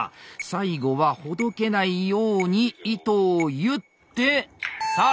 最後はほどけないように糸を結ってさあ